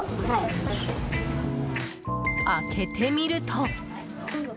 開けてみると。